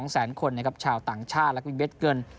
แสนคนนะครับชาวต่างชาติแล้วก็เด็ดเงิน